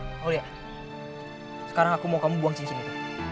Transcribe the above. aulia sekarang aku mau kamu buang cincin itu